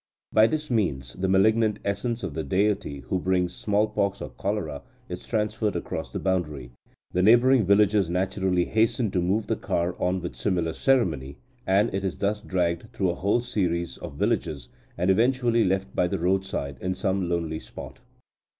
By this means the malignant essence of the deity who brings smallpox or cholera is transferred across the boundary. The neighbouring villagers naturally hasten to move the car on with similar ceremony, and it is thus dragged through a whole series of villages, and eventually left by the roadside in some lonely spot."